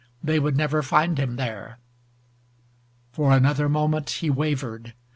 They would never find him there. For another moment he wavered.